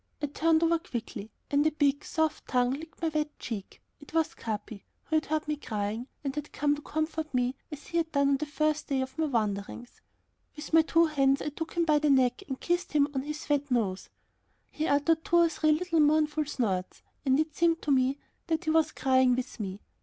I turned over quickly, and a big soft tongue licked my wet cheek. It was Capi who had heard me crying and had come to comfort me as he had done on the first day of my wanderings. With my two hands I took him by the neck and kissed him on his wet nose. He uttered two or three little mournful snorts, and it seemed to me that he was crying with me.